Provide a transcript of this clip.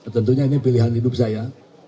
tentunya ini pilihan hidup saya